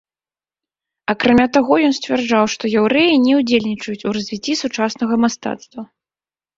Акрамя таго, ён сцвярджаў, што яўрэі не ўдзельнічаюць у развіцці сучаснага мастацтва.